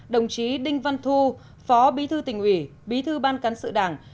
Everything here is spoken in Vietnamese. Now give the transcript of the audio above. đồng chí đinh văn thu phó bí thư tỉnh ủy bí thư ban cán sự đảng